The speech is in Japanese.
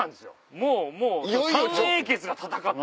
もうもう三英傑が戦った。